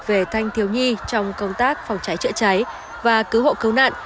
về thanh thiếu nhi trong công tác phòng cháy chữa cháy và cứu hộ cứu nạn